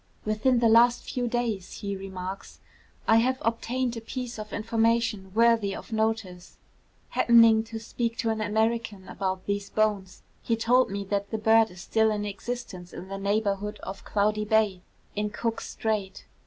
'Within the last few days,' he remarks, 'I have obtained a piece of information worthy of notice. Happening to speak to an American about these bones, he told me that the bird is still in existence in the neighbourhood of Cloudy Bay, in Cook's Strait.